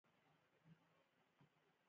رسوب د افغانستان د هیوادوالو لپاره ویاړ دی.